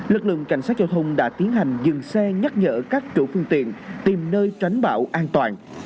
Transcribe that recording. lực lượng cảnh sát giao thông đã tiến hành dừng xe nhắc nhở các chủ phương tiện tìm nơi tránh bão an toàn